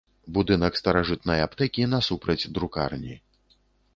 Будынак старажытнай аптэкі насупраць друкарні.